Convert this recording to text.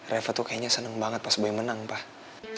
reva tuh kayaknya seneng banget pas boy menang pak